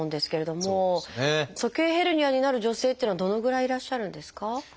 鼠径ヘルニアになる女性っていうのはどのぐらいいらっしゃるんですか？